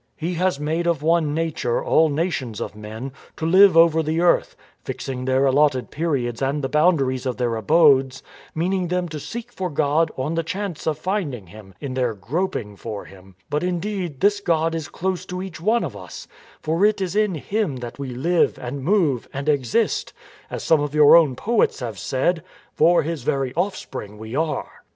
He has made of one nature all nations of men, to live all over the earth, fixing their allotted periods and the boundaries of their abodes, meaning them to seek for God on the chance of finding Him, in their groping for Him, But indeed this God is close to each one of us, for it is in Him that we live and move and exist; as some of your own poets have said :"* For his very offspring we are.'